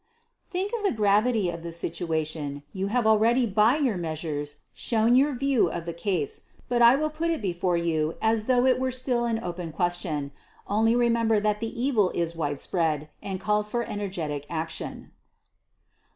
_Think of the gravity of the situation. You have already by your measures shown your view of the case, but I will put it before you as though it were still an open question. Only remember that the evil is widespread, and calls for energetic action.